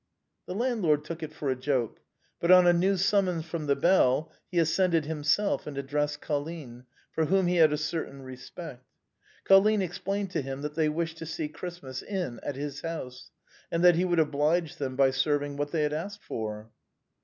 The landlord took it for a joke; but on a new summons from the bell, he ascended himself and addressed Colline, for whom he had a certain respect. Colline explained to him that they wished to see Christmas in his house, and 130 THE BOHEMIANS OF THE LATIN QUARTER. that he would oblige them by serving what they had asked for.